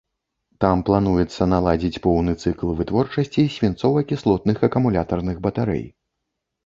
Там плануецца наладзіць поўны цыкл вытворчасці свінцова-кіслотных акумулятарных батарэй.